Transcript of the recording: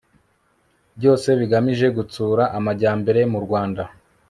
byose bigamije gutsura amajyambere mu rwanda